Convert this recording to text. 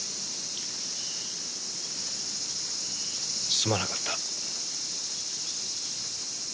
すまなかった。